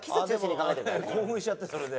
興奮しちゃってそれで。